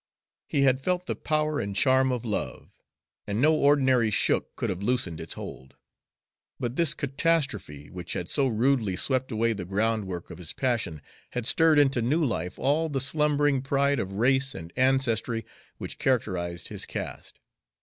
He had felt the power and charm of love, and no ordinary shook could have loosened its hold; but this catastrophe, which had so rudely swept away the groundwork of his passion, had stirred into new life all the slumbering pride of race and ancestry which characterized his caste.